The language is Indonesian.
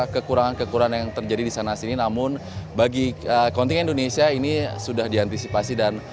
kekurangan kekurangan yang terjadi di sana sini namun bagi kontingen indonesia ini sudah diantisipasi dan